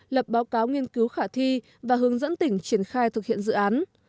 lập báo cáo nghiên cứu khả thi và hướng dẫn tỉnh triển khai thực hiện dự án